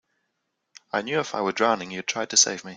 I knew if I were drowning you'd try to save me.